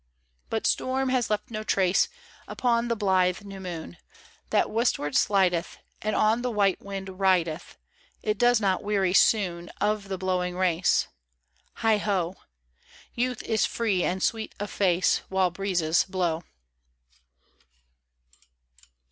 But storm has left no trace Upon the blithe new moon. That westward slideth, And on the white wind rideth : It does not weary soon Of the blowing race. Heigh ho 1 Youth is free and sweet of face, While breezes blow.